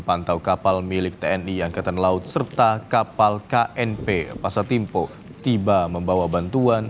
pantau kapal milik tni angkatan laut serta kapal knp pasatimpo tiba membawa bantuan